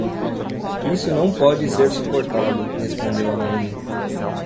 Isso não pode ser suportado! Respondeu a rainha.